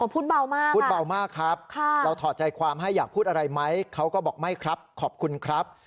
พูดเบามากพูดเบามากครับเราถอดใจความให้อยากพูดอะไรไหมเขาก็บอกไม่ครับขอบคุณครับ